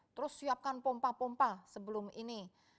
terus siapkan pompa pompa sebelum ini